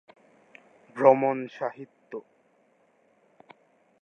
ভ্রমণ সাহিত্য